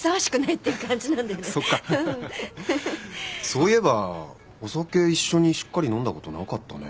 そういえばお酒一緒にしっかり飲んだことなかったね。